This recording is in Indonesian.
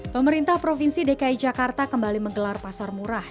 pemerintah provinsi dki jakarta kembali menggelar pasar murah